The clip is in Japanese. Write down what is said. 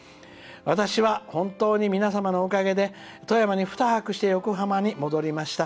私は本当に皆様のおかげで富山に２泊して横浜に戻りました。